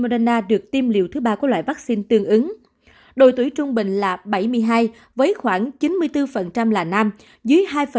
đã tiêm chủng đầy đủ